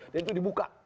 dan itu dibuka